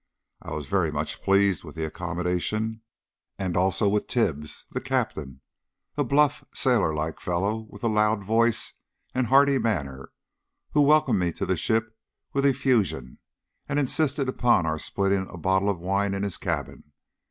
I was very much pleased with the accommodation, and also with Tibbs the captain, a bluff, sailor like fellow, with a loud voice and hearty manner, who welcomed me to the ship with effusion, and insisted upon our splitting a bottle of wine in his cabin.